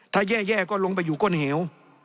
ถ้าแย่ก็ลงไปอยู่ก้นเหว